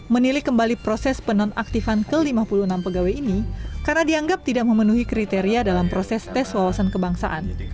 menilai kembali proses penonaktifan ke lima puluh enam pegawai ini karena dianggap tidak memenuhi kriteria dalam proses tes wawasan kebangsaan